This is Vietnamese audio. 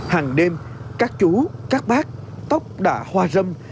hằng đêm các chú các bác tóc đã hoa râm